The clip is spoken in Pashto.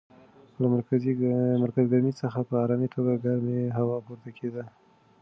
له مرکز ګرمۍ څخه په ارامه توګه ګرمه هوا پورته کېده.